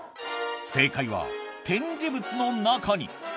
正解は展示物の中に！